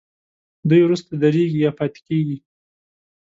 دوی وروسته درېږي یا پاتې کیږي.